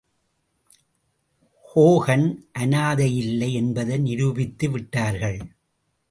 Hogan அநாதையில்லை என்பதை நிரூபித்து விட்டார்கள்.